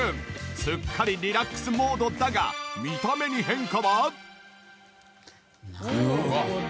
すっかりリラックスモードだが見た目に変化は？